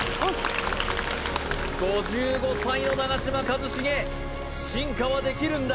５５歳の長嶋一茂進化はできるんだ